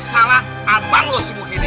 masalah abang lo semua gini